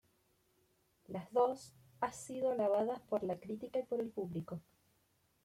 Las dos has sido alabadas por la crítica y por el público.